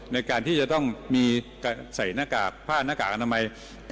ในการที่จะต้องใส่ผ้านกากอนามัย